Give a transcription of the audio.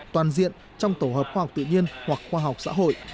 toàn diện trong tổ hợp khoa học tự nhiên hoặc khoa học xã hội